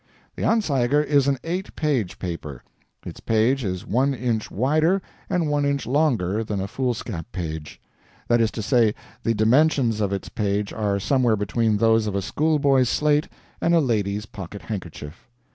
The ANZEIGER is an eight page paper; its page is one inch wider and one inch longer than a foolscap page; that is to say, the dimensions of its page are somewhere between those of a schoolboy's slate and a lady's pocket handkerchief.